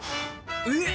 えっ！